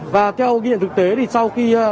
và theo ghi nhận thực tế thì sau khi